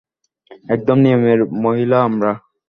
একদম নিয়মের মহিলা আমরা।